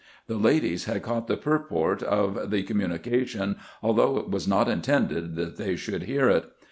The ladies had caught the purport of the communication, although it was not intended that they should hear it.